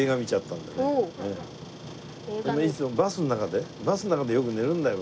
でもいつもバスの中でバスの中でよく寝るんだよ